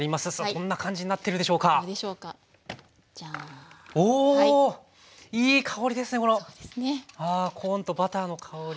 このコーンとバターの香り。